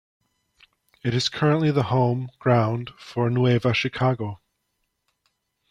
It is currently the home ground for Nueva Chicago.